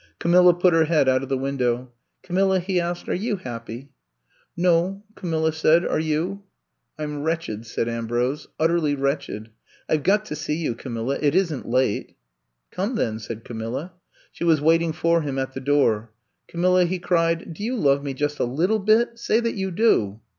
Camilla put her head out of the window. Camilla,'' he asked, *'are you happy t" No," Camilla said, are you?" i I'VE COMB TO STAY 75 I *m wretched/' said Ambrose, ut terly wretched. I Ve got to see you, Ca milla; it isn't late." "Come then," said Camilla. She was waiting for him at the door. Camilla," he cried, do you love me just a little bit t Say that you do.